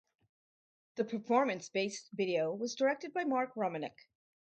The performance-based video was directed by Mark Romanek.